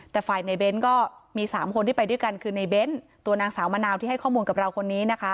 แต่ฝ่ายในเบ้นก็มี๓คนที่ไปด้วยกันคือในเบ้นตัวนางสาวมะนาวที่ให้ข้อมูลกับเราคนนี้นะคะ